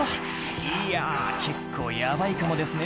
いや結構ヤバいかもですね